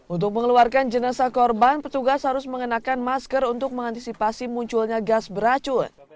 untuk mengeluarkan jenazah korban petugas harus mengenakan masker untuk mengantisipasi munculnya gas beracun